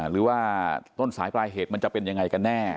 หรือว่าต้นสายปลายเหตุมันจะเป็นยังไงกันแน่